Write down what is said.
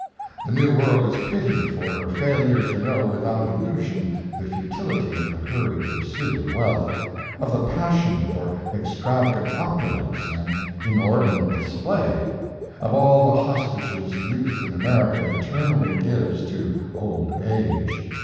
The New World is pitied for her failure to know without illusion the futility of the hurried pursuit of wealth, of the passion for extravagant opulence and inordinate display, of all the hostages youth in America eternally gives to old age.